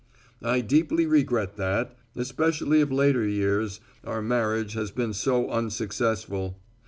"I deeply regret that, especially of later years, our marriage has been so unsuccessful.